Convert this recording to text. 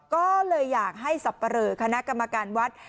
ก็เลยอยากให้สับปะเรอคณะกรรมการวัด